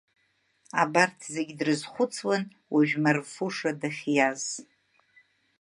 Абарҭ зегьы дрызхәыцуан, уажәы, Марфуша дахьиаз.